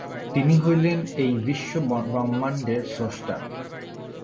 তিনি হইলেন এই বিশ্ব-ব্রহ্মাণ্ডের স্রষ্টা।